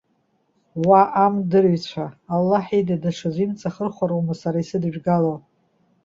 Уа, амдырыҩцәа! Аллаҳ ида даҽаӡәы имҵахырхәароума сара исыдыжәгало?